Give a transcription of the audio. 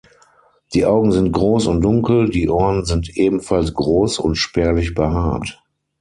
Die Augen sind groß und dunkel, die Ohren sind ebenfalls groß und spärlich behaart.